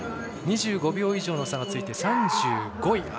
２５秒以上の差がついて３５位。